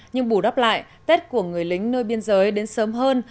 nhưng bù đắp lại tết của người lính nơi biên giới đến sớm hơn